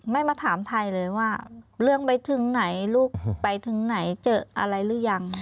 ไม่มาถามไทยเลยว่าเรื่องไปถึงไหนลูกไปถึงไหนเจออะไรหรือยัง